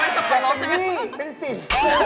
แต่ล้อนมี่เป็นสิ่ง